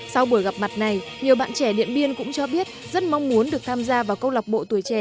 sau buổi gặp mặt này nhiều bạn trẻ điện biên cũng cho biết rất mong muốn được tham gia vào câu lạc bộ tuổi trẻ